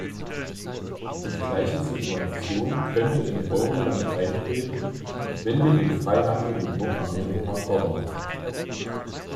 Die gleiche Situation könnte im "Euroland" eintreten, wenn wir den Freihandel mit Nordamerika fördern.